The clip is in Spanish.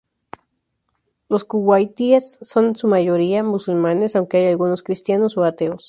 Los kuwaitíes son en su mayoría musulmanes, aunque hay algunos cristianos o ateos.